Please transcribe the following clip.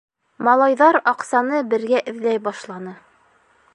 Малайҙар аҡсаны бергә эҙләй башланы.